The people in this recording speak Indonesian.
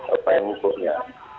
apa yang hukumnya